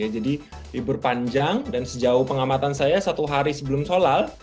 jadi libur panjang dan sejauh pengamatan saya satu hari sebelum sholal